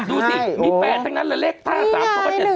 ดูสิมี๘ทั้งนั้นแล้วเลข๕